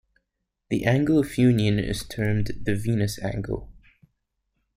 The angle of union is termed the venous angle.